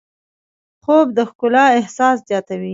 خوب د ښکلا احساس زیاتوي